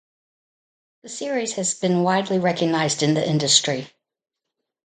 The series has been widely recognized in the industry.